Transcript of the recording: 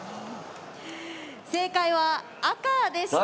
正解は赤でした。